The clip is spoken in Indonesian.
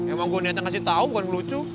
emang gue nyetir ngasih tau bukan lucu